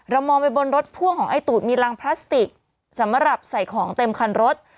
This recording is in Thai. มองไปบนรถพ่วงของไอ้ตูดมีรังพลาสติกสำหรับใส่ของเต็มคันรถ